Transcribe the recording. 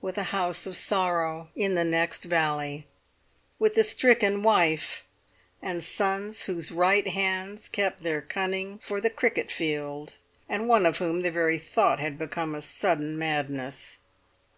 With a house of sorrow in the next valley! With a stricken wife, and sons whose right hands kept their cunning for the cricket field, and one of whom the very thought had become a sudden madness!